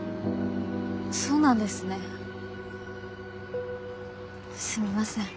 そうなんですねすみません。